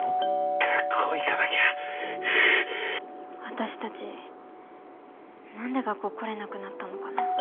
私たち何で学校来れなくなったのかな。